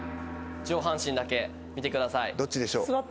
上半身だけ見てくださいどっちでしょう？